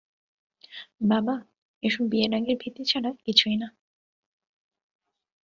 বাবা, এসব বিয়ের আগের ভীতি ছাড়া কিছুই না।